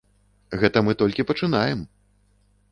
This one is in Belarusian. Гэта мы толькі пачынаем!